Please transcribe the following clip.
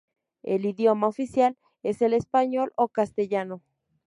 El idioma oficial es el español o castellano.